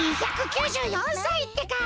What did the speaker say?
２９４さいってか！